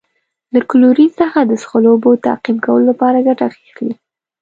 له کلورین څخه د څښلو اوبو تعقیم کولو لپاره ګټه اخلي.